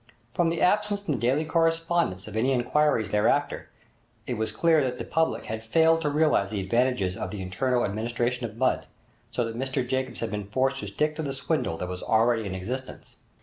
From the absence in the daily correspondence of any inquiries thereafter, it was clear that the public had failed to realize the advantages of the internal administration of mud, so that Mr Jacobs had been forced to stick to the swindle that was already in existence.